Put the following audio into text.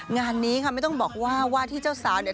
งานนี้ค่ะไม่ต้องบอกว่าว่าที่เจ้าสาวเนี่ย